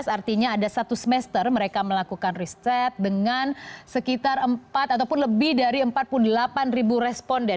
artinya ada satu semester mereka melakukan riset dengan sekitar empat ataupun lebih dari empat puluh delapan ribu responden